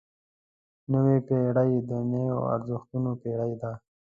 نوې پېړۍ د نویو ارزښتونو پېړۍ ده.